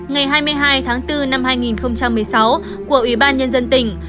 ngày hai mươi hai tháng bốn năm hai nghìn một mươi sáu của ủy ban nhân dân tỉnh